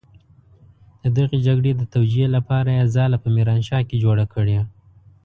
د دغې جګړې د توجيې لپاره يې ځاله په ميرانشاه کې جوړه کړې.